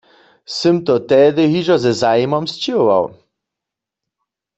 Sym to tehdy hižo ze zajimom sćěhował.